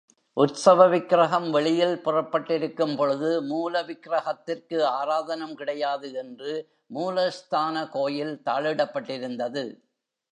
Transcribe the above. உற்சவ விக்கிரஹம் வெளியில் புறப்பட்டிருக்கும்பொழுது, மூல விக்ரஹத்திற்கு ஆராதனம் கிடையாது என்று மூலஸ்தான கோயில் தாளிடப்பட்டிருந்தது!